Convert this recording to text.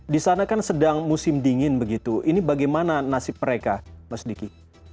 di sana kan sedang musim dingin begitu ini bagaimana nasib mereka mas diki